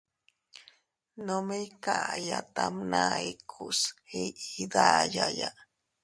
Nome iykaya tamʼna ikuus iʼi dayaya.